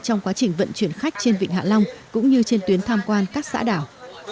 trình vận chuyển khách trên vịnh hạ long cũng như trên tuyến tham quan các xã đảo